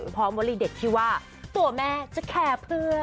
พร้อมวันนี้เด็กที่ว่าตัวแม่จะแค่เพื่อ